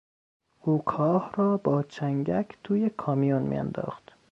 او کاه را با چنگک توی کامیون میانداخت.